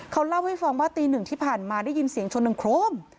เขาเล่าให้ฟังว่าตีหนึ่งที่ผ่านมาได้ยินเสียงชนดังโครม